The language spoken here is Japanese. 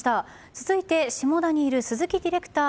続いて下田にいる鈴木ディレクター